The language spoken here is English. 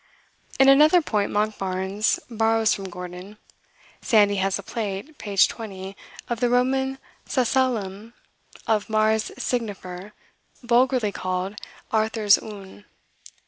In another point Monkbapns borrows from Gordon. Sandy has a plate (page 20) of "The Roman Sacellum of Mars Signifer, vulgarly called 'Arthur's Oon.